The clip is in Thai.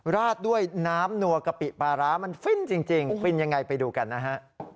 ราดด้วยน้ำนัวกะปิปลาร้ามันฟินจริงฟินยังไงไปดูกันนะฮะ